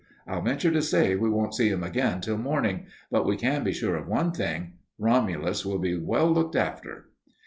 I'll venture to say we won't see him again till morning, but we can be sure of one thing: Romulus will be well looked after."